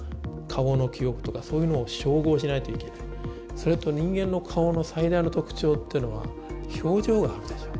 それと人間の顔の最大の特徴っていうのは表情があるでしょう。